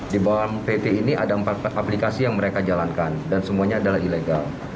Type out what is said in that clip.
di bawah pt ini ada empat aplikasi yang mereka jalankan dan semuanya adalah ilegal